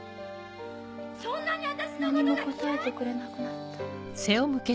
そんなに私のことが嫌い⁉何も答えてくれなくなった。